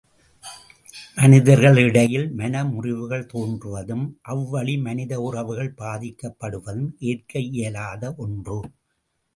மனிதர்களிடையில் மன முறிவுகள் தோன்றுவதும் அவ்வழி மனித உறவுகள் பாதிக்கப்படுவதும் ஏற்க இயலாத ஒன்று.